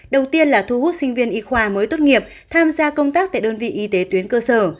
đầu tiên là thu hút sinh viên y khoa mới tốt nghiệp tham gia công tác tại đơn vị y tế tuyến cơ sở